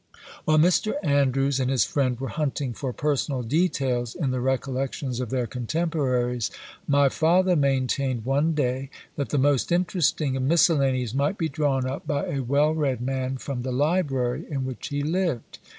While Mr. Andrews and his friend were hunting for personal details in the recollections of their contemporaries, my father maintained one day, that the most interesting of miscellanies might be drawn up by a well read man from the library in which he lived.